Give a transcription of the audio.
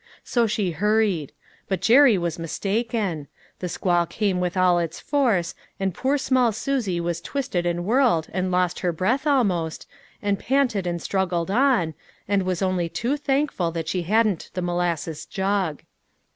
So she hurried ; but Jerry was mistaken. The squall came with all its force, and poor small Susie was twisted and whirled and lost her TOO GOOD TO BE TRUE. 893 breath almost, and panted and struggled on, and was only too thankful that she hadn't the molas ses jug.